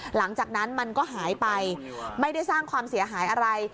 หลังจากนั้นมันก็หายไปไม่ได้สร้างความเสียหายอะไร